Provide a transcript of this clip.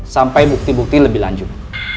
sampai bukti bukti lebih lanjut